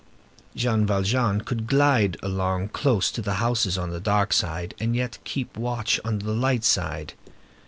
Jean Valjean could glide along close to the houses on the dark side, and yet keep watch on the light side.